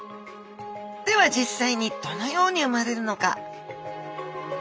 では実際にどのようにうまれるのか？